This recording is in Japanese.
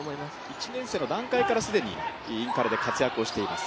１年生の段階から既にインカレで活躍をしています。